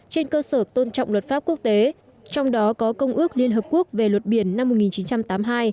trên cơ sở tôn trọng luật pháp quốc tế trong đó có công ước liên hợp quốc về luật biển năm một nghìn chín trăm tám mươi hai